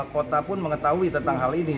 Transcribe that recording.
kota pun mengetahui tentang hal ini